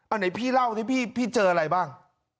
ไหนพี่เล่าสิพี่เจออะไรบ้าง